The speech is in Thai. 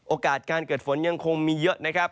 โอกาสการเกิดฝนยังคงมีเยอะนะครับ